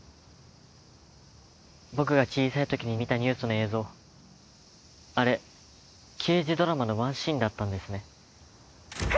僕が小さいときに見たニュースの映像あれ刑事ドラマのワンシーンだったんですね。